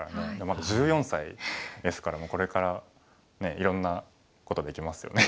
まだ１４歳ですからもうこれからねいろんなことできますよね。